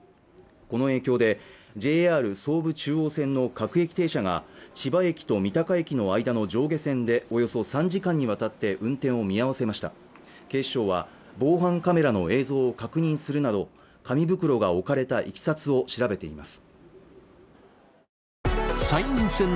この影響でＪＲ総武中央線の各駅停車が千葉駅と三鷹駅の間の上下線でおよそ３時間にわたって運転を見合わせました警視庁は防犯カメラの映像を確認するなど紙袋が置かれたいきさつを調べています